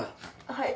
はい。